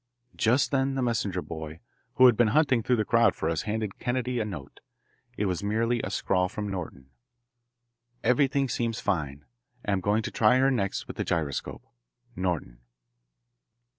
Just then the messenger boy, who had been hunting through the crowd for us, handed Kennedy a note. It was merely a scrawl from Norton: "Everything seems fine. Am going to try her next with the gyroscope. NORTON."